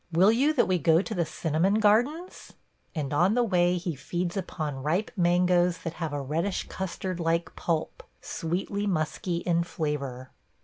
Will you that we go to the cinnamon gardens?" ... And on the way he feeds upon ripe mangoes that have a reddish custard like pulp, sweetly musky in flavor.